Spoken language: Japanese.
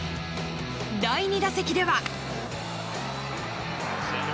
第２打席では。